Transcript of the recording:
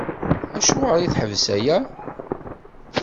Acuɣer i teḥbes aya?